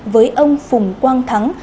với ông phùng quang thắng